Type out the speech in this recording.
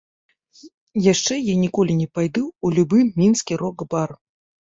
Яшчэ я ніколі не пайду ў любы мінскі рок-бар.